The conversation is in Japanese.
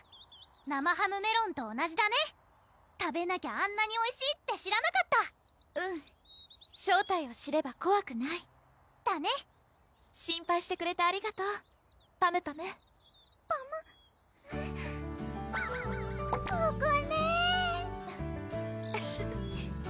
生ハムメロンと同じだね食べなきゃあんなにおいしいって知らなかったうん正体を知ればこわくないだね心配してくれてありがとうパムパムパムここね！